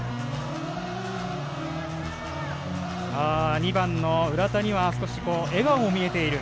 ２番の浦田には少し笑顔も見えている。